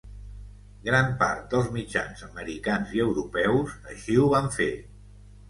Gran part dels mitjans americans i europeus així ho van fer.